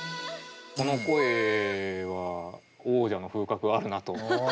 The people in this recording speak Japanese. この声は王者の風格あるなと感じたので。